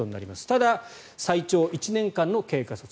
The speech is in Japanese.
ただ最長１年間の経過措置。